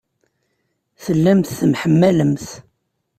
Tellamt temḥemmalemt.